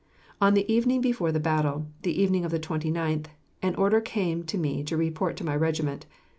On the evening before the battle, the evening of the 29th, an order came to me to report to my regiment.